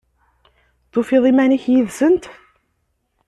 Tufiḍ iman-ik yid-sent?